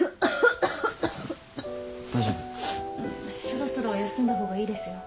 そろそろ休んだ方がいいですよ。